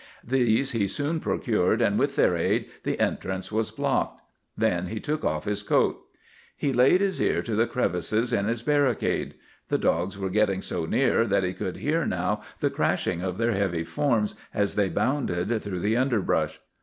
These he soon procured, and with their aid the entrance was blocked. Then he took off his coat. "He laid his ear to the crevices in his barricade. The dogs were getting so near that he could hear now the crashing of their heavy forms as they bounded through the underbrush.